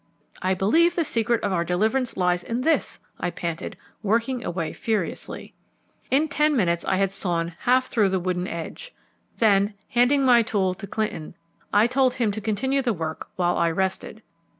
"I believe the secret of our deliverance lies in this," I panted, working away furiously. In ten minutes I had sawn half through the wooden edge, then, handing my tool to Clinton, I told him to continue the work while I rested.